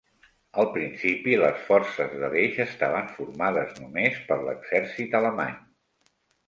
Al principi, les forces de l'Eix estaven formades només per l'exèrcit alemany.